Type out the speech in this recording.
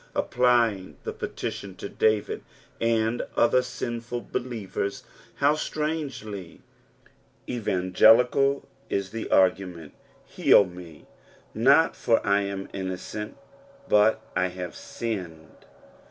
Applying the petition to Da?id and other sinful believers, how strangely evan gelical is the argument : heal me, not fur I am innocent, but ''/ haze sinned."